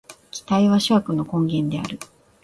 期待は諸悪の根源である。